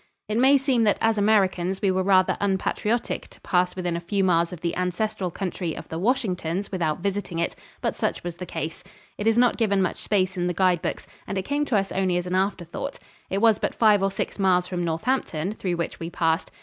It may seem that as Americans we were rather unpatriotic to pass within a few miles of the ancestral country of the Washingtons without visiting it, but such was the case. It is not given much space in the guide books and it came to us only as an afterthought. It was but five or six miles from Northampton, through which we passed.